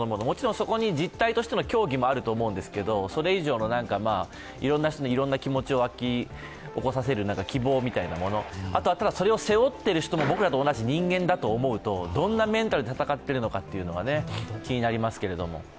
もちろんそこに実態としての競技もあると思うんですけれども、それ以上の、いろんな人のいろんな気持ちをわき起こさせる希望みたいなもの、あとはそれを背負ってる人も僕らと同じ人間だと思うと、どんなメンタルで戦っているのか気になりますけれども。